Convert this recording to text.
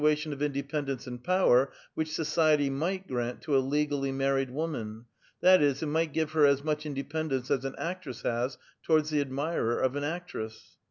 tion of independence and power which society might grant to a legally married woman ; that is, it might give her as much independence as an actress has towards the admirer of an actress."